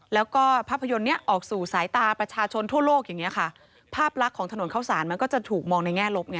แล้วก็ภาพยนตร์นี้ออกสู่สายตาประชาชนทั่วโลกอย่างเงี้ยค่ะภาพลักษณ์ของถนนเข้าสารมันก็จะถูกมองในแง่ลบไง